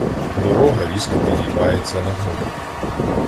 Дорога різко підіймається на гору.